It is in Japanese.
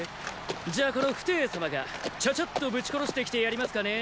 じゃあこの傅抵様がちゃちゃっとぶち殺して来てやりますかねー。